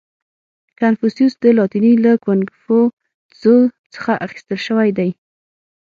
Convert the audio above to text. • کنفوسیوس د لاتیني له کونګ فو تزو څخه اخیستل شوی دی.